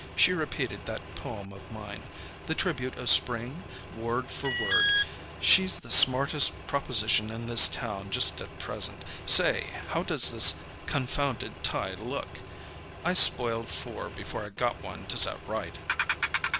She repeated that poem of mine, 'The Tribute of Spring,' word for word. She's the smartest proposition in this town just at present. Say, how does this confounded tie look? I spoiled four before I got one to set right."